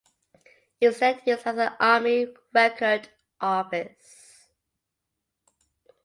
It was then used as an army record office.